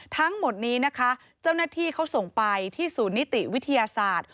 ทั้งหมดนี้นะคะเจ้าหน้าที่เขาส่งไปที่ศูนย์นิติวิทยาศาสตร์